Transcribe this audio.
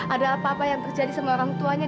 ada apa apa yang terjadi sama orang tuanya